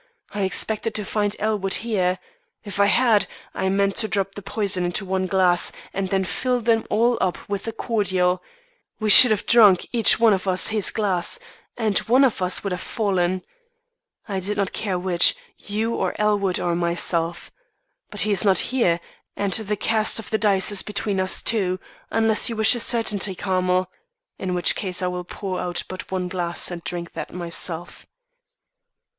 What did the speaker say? I expected to find Elwood here. If I had, I meant to drop the poison into one glass, and then fill them all up with the cordial. We should have drunk, each one of us his glass, and one of us would have fallen. I did not care which, you or Elwood or myself. But he is not here, and the cast of the die is between us two, unless you wish a certainty, Carmel, in which case I will pour out but one glass and drink that myself.